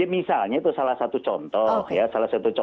ya misalnya itu salah satu contoh